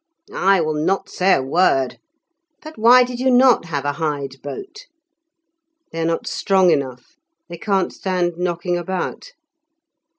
"I will not say a word. But why did you not have a hide boat?" "They are not strong enough. They can't stand knocking about."